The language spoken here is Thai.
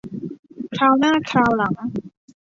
คราวหน้าคราวหลัง